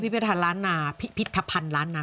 พิพิธารนะพิพิธพันธ์นนะ